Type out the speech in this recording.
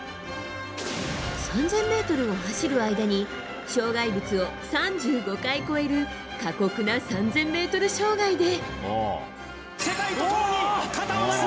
３０００ｍを走る間に障害物を３５回越える過酷な３０００ｍ障害で。